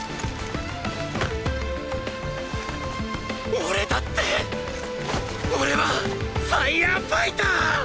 俺だって俺はファイアファイター！